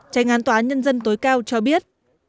tránh án tòa án nhân dân tối cao cho biết